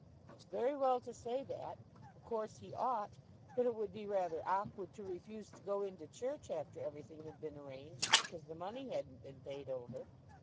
"It's very well to say that. Of course he ought; but it would be rather awkward to refuse to go into church after everything had been arranged because the money hadn't been paid over.